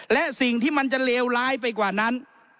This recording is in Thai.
และสิ่งที่มันจะเลวร้ายไปกว่านั้น